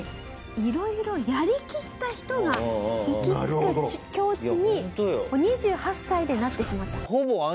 色々やりきった人が行き着く境地に２８歳でなってしまった。